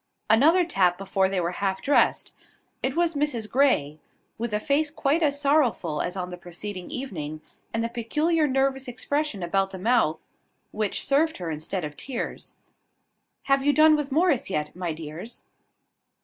Another tap before they were half dressed. It was Mrs Grey, with a face quite as sorrowful as on the preceding evening, and the peculiar nervous expression about the mouth which served her instead of tears. "Have you done with Morris yet, my dears?"